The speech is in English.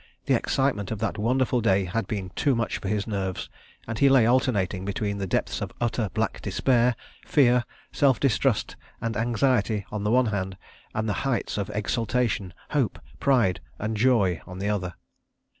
The excitement of that wonderful day had been too much for his nerves, and he lay alternating between the depths of utter black despair, fear, self distrust and anxiety on the one hand, and the heights of exultation, hope, pride, and joy on the other.